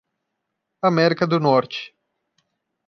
América do Norte.